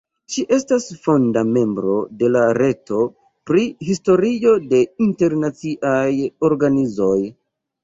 Ŝi estas fonda membro de la "Reto pri Historio de internaciaj organizoj".